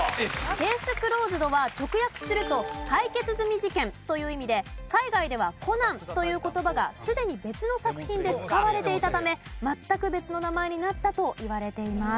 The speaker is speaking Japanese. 「ＣＡＳＥＣＬＯＳＥＤ」は直訳すると「解決済み事件」という意味で海外では「コナン」という言葉がすでに別の作品で使われていたため全く別の名前になったといわれています。